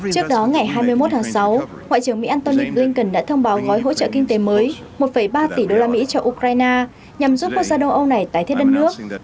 trước đó ngày hai mươi một tháng sáu ngoại trưởng mỹ antony blinken đã thông báo gói hỗ trợ kinh tế mới một ba tỷ đô la mỹ cho ukraine nhằm giúp quốc gia đông âu này tái thiết đất nước